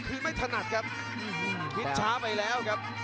คืนไม่ถนัดครับคิดช้าไปแล้วครับ